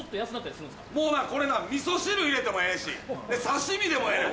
これな味噌汁入れてもええし刺し身でもええよ